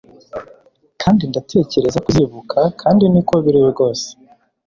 Kandi ndatekereza ko uzibuka kandi niko biri rwose